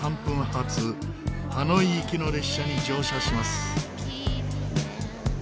ハノイ行きの列車に乗車します。